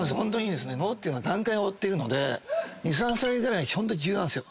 脳って段階を追っているので２３歳ぐらいがホント重要なんですよ。